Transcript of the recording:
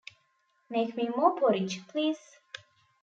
Make me more porridge, please!